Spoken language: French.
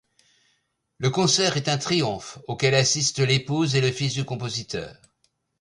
Le concert est un triomphe, auquel assistent l'épouse et le fils du compositeur.